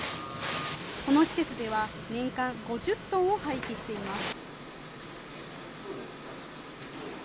この施設では、年間５０トンを廃棄しています。